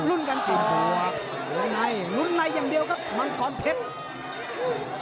เหลือไหนลุ้นไหนอย่างเดียวครับมังกรเพชร